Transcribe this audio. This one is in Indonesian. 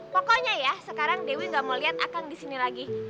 pokoknya ya sekarang dewi gak mau lihat akang di sini lagi